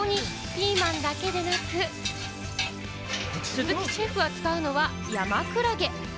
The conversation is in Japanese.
そこにピーマンだけでなく、鈴木シェフが使うのは山くらげ。